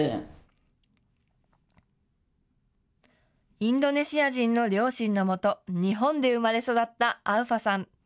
インドネシア人の両親のもと日本で生まれ育ったアウファさん。